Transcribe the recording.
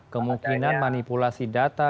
kemungkinan manipulasi data